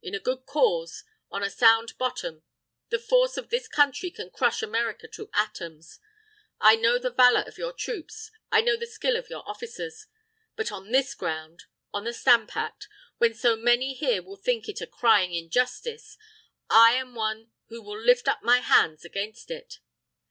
"In a good cause, on a sound bottom, the force of this Country can crush America to atoms. I know the valour of your troops, I know the skill of your officers.... But on this ground, on the Stamp Act when so many here will think it a crying injustice, I am one who will lift up my hands against it!